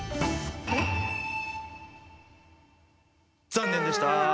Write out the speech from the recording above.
残念でした。